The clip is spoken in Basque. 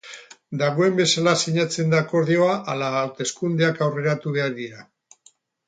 Dagoen bezala sinatzen da akordioa ala hauteskundeak aurreratu behar dira.